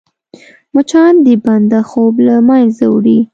مچان د بنده خوب له منځه وړي